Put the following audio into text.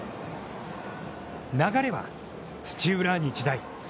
流れは土浦日大。